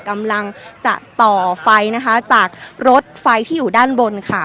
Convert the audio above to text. กำลังจะต่อไฟนะคะจากรถไฟที่อยู่ด้านบนค่ะ